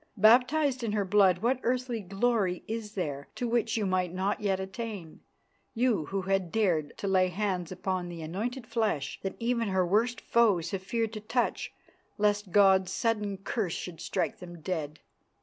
Baptised in her blood, what earthly glory is there to which you might not yet attain, you who had dared to lay hands upon the anointed flesh that even her worst foes have feared to touch lest God's sudden curse should strike them dead?"